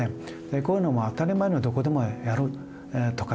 こういうのを当たり前のようにどこでもやるとかですね